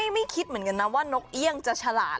ไม่คิดเหมือนกันนะว่านกเอี่ยงจะฉลาด